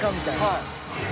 はい。